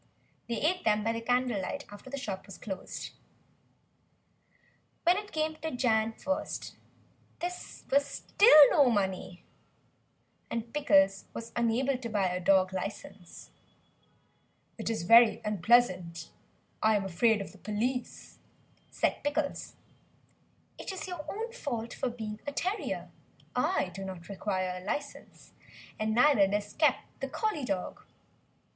They ate them by candle light after the shop was closed. When it came to Jan. 1st there was still no money, and Pickles was unable to buy a dog licence. "It is very unpleasant, I am afraid of the police," said Pickles. "It is your own fault for being a terrier; I do not require a licence, and neither does Kep, the Collie dog."